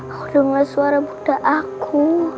aku denger suara bunda aku